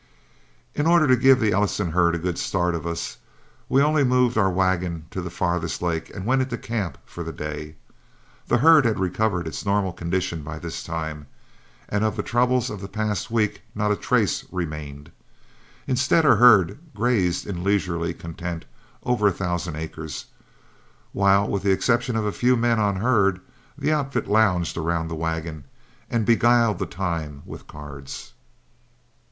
In order to give the Ellison herd a good start of us, we only moved our wagon to the farthest lake and went into camp for the day. The herd had recovered its normal condition by this time, and of the troubles of the past week not a trace remained. Instead, our herd grazed in leisurely content over a thousand acres, while with the exception of a few men on herd, the outfit lounged around the wagon and beguiled the time with cards.